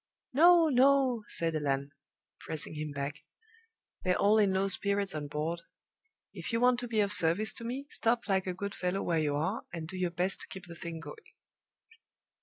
"No, no!" said Allan, pressing him back. "They're all in low spirits on board. If you want to be of service to me, stop like a good fellow where you are, and do your best to keep the thing going."